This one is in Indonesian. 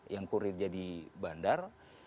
yang kurir jadi bandar